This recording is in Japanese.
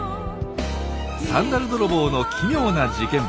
サンダル泥棒の奇妙な事件簿。